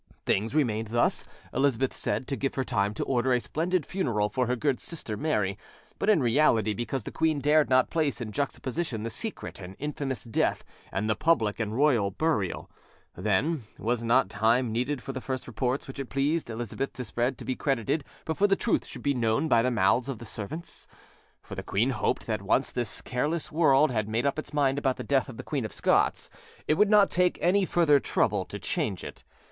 Things remained thus, Elizabeth said, to give her time to order a splendid funeral for her good sister Mary, but in reality because the queen dared not place in juxtaposition the secret and infamous death and the public and royal burial; then, was not time needed for the first reports which it pleased Elizabeth to spread to be credited before the truth should be known by the mouths of the servants? For the queen hoped that once this careless world had made up its mind about the death of the Queen of Scots, it would not take any further trouble to change it.